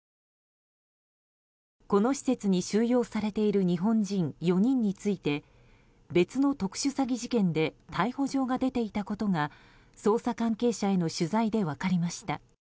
この施設に収容されている日本人４人について別の特殊詐欺事件で逮捕状が出ていたことが捜査関係者への取材で分かりました。